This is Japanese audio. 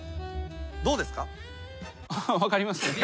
どうですか？